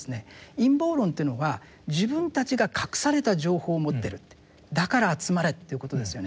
陰謀論というのは自分たちが隠された情報を持ってるってだから集まれということですよね。